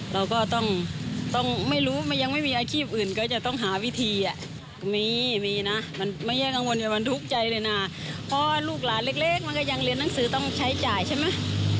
พ่อลูกหลานเล็กมันก็ยังเรียนหนังสือต้องใช้จ่ายใช่มั้ย